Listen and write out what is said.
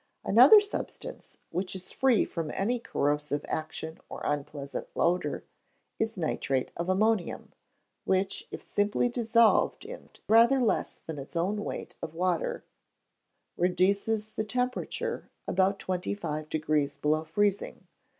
Another substance, which is free from any corrosive action or unpleasant odour, is nitrate of ammonium, which, if simply dissolved in rather less than its own weight of water, reduces the temperature about twenty five degrees below freezing.